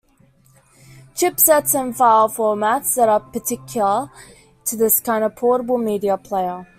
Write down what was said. Chipsets and file formats that are particular to this kind of portable media player.